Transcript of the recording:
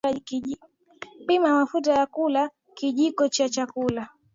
pima mafuta ya kula kijiko cha chakula